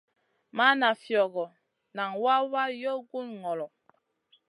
Mana fiogo, nan wawa yow gu ŋolo.